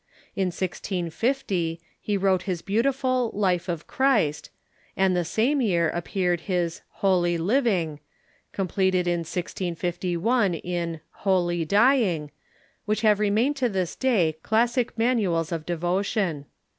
In 1650 he wrote his beau tiful "Life of Christ," and the same year appeared his "Holy Living," completed in 1651 in "Holy Dying," Avhich have remained to this day classic manuals of devotion.